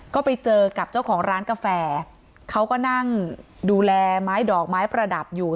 ก็ไปเจอกับเจ้าของร้านกาแฟเขาก็นั่งดูแลไม้ดอกไม้ประดับอยู่